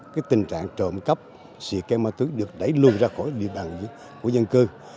cái tình trạng trộm cấp xịt cây ma túy được đẩy luôn ra khỏi địa bàn của dân cư